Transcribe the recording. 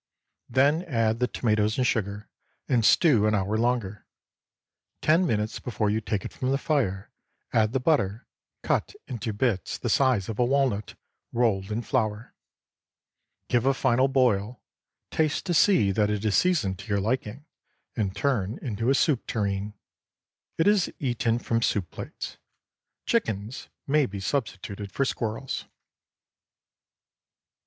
Then add the tomatoes and sugar, and stew an hour longer. Ten minutes before you take it from the fire add the butter, cut into bits the size of a walnut, rolled in flour. Give a final boil, taste to see that it is seasoned to your liking, and turn into a soup tureen. It is eaten from soup plates. Chickens may be substituted for squirrels.